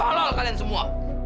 tolong kalian semua